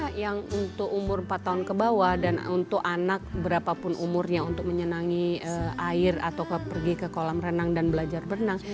mereka yang untuk umur empat tahun ke bawah dan untuk anak berapapun umurnya untuk menyenangi air atau pergi ke kolam renang dan belajar berenang